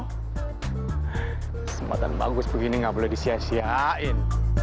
kesempatan bagus begini gak boleh disiasiain